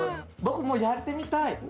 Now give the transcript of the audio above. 僕もやってみたい。